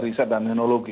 riset dan teknologi